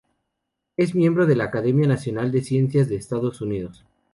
Es miembro de la Academia Nacional de Ciencias de Estados Unidos.